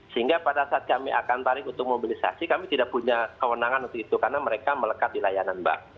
sehingga pada saat kami akan tarik untuk mobilisasi kami tidak punya kewenangan untuk itu karena mereka melekat di layanan mbak